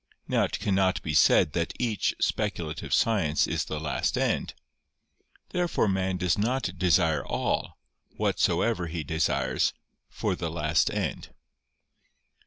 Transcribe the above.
Now it cannot be said that each speculative science is the last end. Therefore man does not desire all, whatsoever he desires, for the last end.